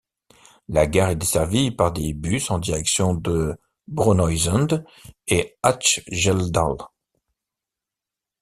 La gare est desservie par des bus en direction de Brønnøysund et Hattfjelldal.